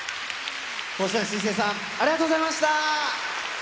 星街すいせいさん、ありがとうございました。